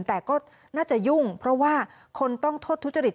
แต่ก็น่าจะยุ่งเพราะว่าคนต้องโทษทุจริต